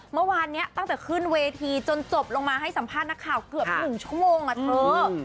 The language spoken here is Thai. เมื่อวานนี้ตั้งแต่ขึ้นเวทีจนจบลงมาให้สัมภาษณ์นักข่าวเกือบ๑ชั่วโมงอะเธอ